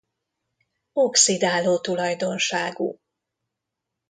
Oxidáló tulajdonságú.